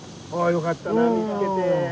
よかったな見つけて。